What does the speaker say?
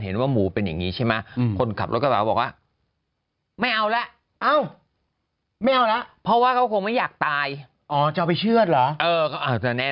คนที่ขายก๋วยเตี๋ยวเรียงเองก็ได้